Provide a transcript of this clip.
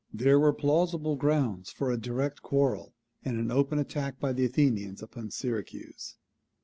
There were plausible grounds for a direct quarrel, and an open attack by the Athenians upon Syracuse.